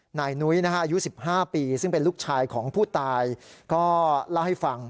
นายนุ้ยอายุ๑๕ปีซึ่งเป็นลูกชายของผู้ตายก็เล่าให้ฟัง